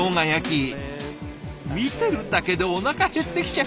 見てるだけでおなか減ってきちゃう。